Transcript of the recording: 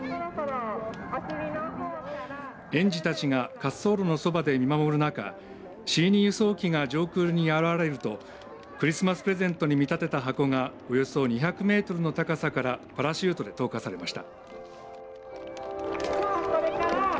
園児たちが滑走路のそばで見守る中Ｃ‐２輸送機が上空に現れるとクリスマスプレゼントに見立てた箱がおよそ２００メートルの高さからパラシュートで投下されました。